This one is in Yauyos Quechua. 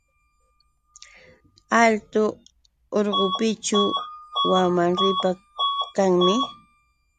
Altu urqućhu wamanripa kanmi.